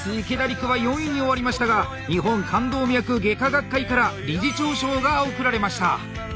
陸は４位に終わりましたが日本冠動脈外科学会から理事長賞が贈られました。